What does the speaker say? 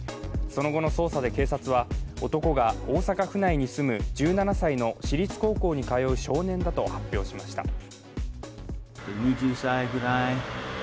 その後の捜査で警察は男が、大阪府内に住む１７歳の私立高校に通う少年だと発表しました。